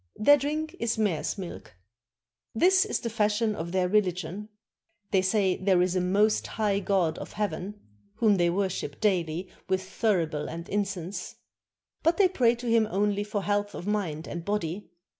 Their drink is mares' milk. 79 CHINA This is the fashion of their religion: They say there is a Most High God of Heaven, whom they worship daily with thurible and incense; but they pray to him only for health of mind and body.